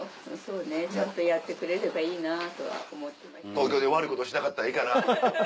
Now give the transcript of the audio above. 東京で悪いことしなかったらいいかな。